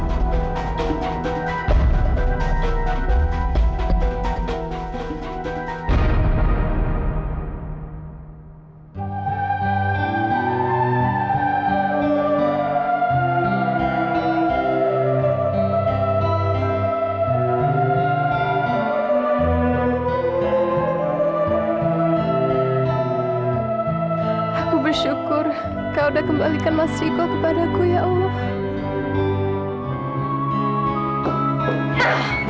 aku bersyukur kau udah kembalikan mas rico kepada aku ya allah